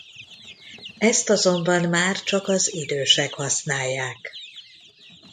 Ezt azonban már csak az idősek használják.